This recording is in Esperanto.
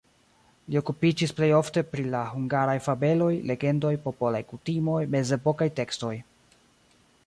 Li okupiĝis plej ofte pri la hungaraj fabeloj, legendoj, popolaj kutimoj, mezepokaj tekstoj.